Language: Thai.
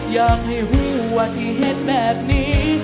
อยากให้หัวที่เห็นแบบนี้